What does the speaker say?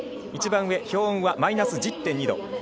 １番上、氷温はマイナス１０．２度。